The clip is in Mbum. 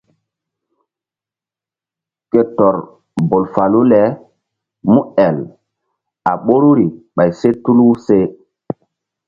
Ke tɔr bol falu le múel a ɓoruri ɓay se tulu se.